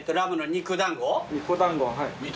肉団子はい。